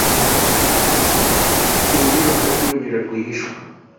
ibyishimo byibanga no kumwenyura rwihishwa